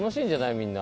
みんな。